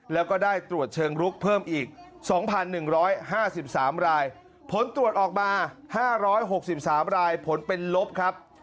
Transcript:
แล้วก็ได้ตรวจเชิงลุกเพิ่มอีกสองพันหนึ่งร้อยห้าสิบสามรายผลตรวจออกมาห้าร้อยหกสิบสามรายผลเป็นลบครับ